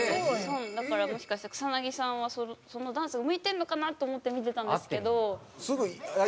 だからもしかしたら草薙さんはそのダンス向いてるのかなと思って見てたんですけど。